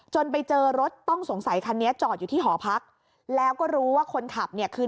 ไปเจอรถต้องสงสัยคันนี้จอดอยู่ที่หอพักแล้วก็รู้ว่าคนขับเนี่ยคือ